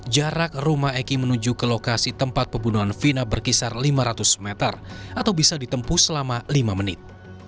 jarak rumah eki menuju ke lokasi tempat pembunuhan vina berkisar lima ratus meter atau bisa ditempuh selama lima menit